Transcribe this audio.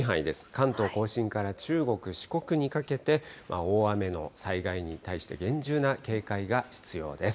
関東甲信から中国、四国にかけて大雨の災害に対して厳重な警戒が必要です。